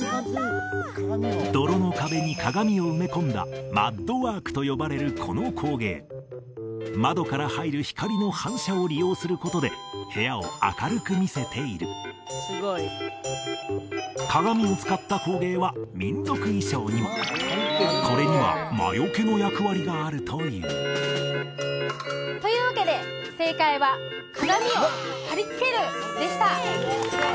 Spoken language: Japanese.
泥の壁に鏡を埋め込んだマッドワークと呼ばれるこの工芸窓から入る光の反射を利用することで部屋を明るく見せている鏡を使った工芸は民族衣装にもこれには魔よけの役割があるというというわけで正解は「鏡を貼り付ける」でした